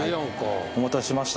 お待たせしました。